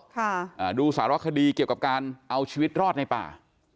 ค่ะอ่าดูสารคดีเกี่ยวกับการเอาชีวิตรอดในป่า